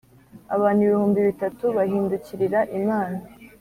Abantu ibihumbi bitatu bahindukirira Imana